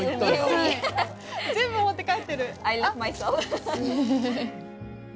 全部持って帰ってる！